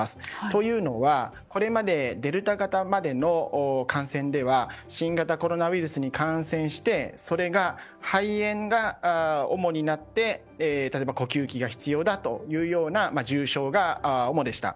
というのはこれまでデルタ型までの感染では新型コロナウイルスに感染してそれが肺炎が主になって例えば、呼吸機が必要だというような重症が主でした。